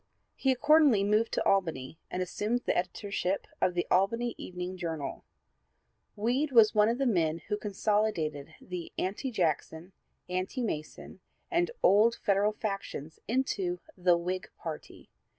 He accordingly moved to Albany and assumed the editorship of the Albany Evening Journal. Weed was one of the men who consolidated the Anti Jackson, Anti Mason and old Federal factions into the Whig party.